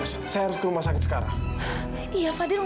eh tovanya sedang tidur